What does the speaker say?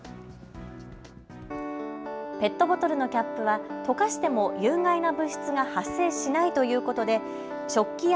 ペットボトルのキャップは溶かしても有害な物質が発生しないということで食器や